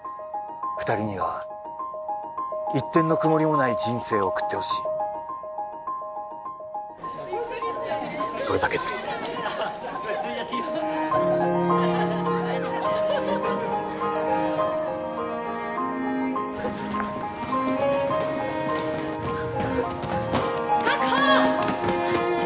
二人には一点の曇りもない人生を送ってほしいそれだけです確保！